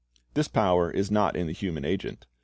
"^ This power is not in the human agent.